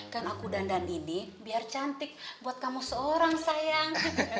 kan aku dandan didik biar cantik buat kamu seorang sayang